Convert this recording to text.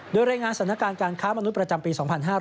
โดยรายงานสถานการณ์การค้ามนุษย์ประจำปี๒๕๕๙